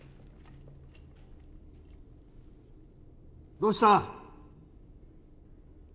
どうした？